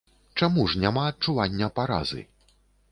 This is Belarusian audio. Чаму ж няма адчування паразы?